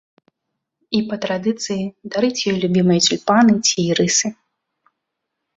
І па традыцыі дарыць ёй любімыя цюльпаны ці ірысы.